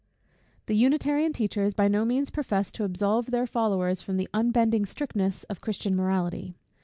The Unitarian teachers by no means profess to absolve their followers from the unbending strictness of Christian morality.